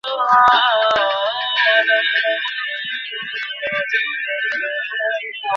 একদম বেপরোয়ার মত একটা কাজ করেছিস তুই।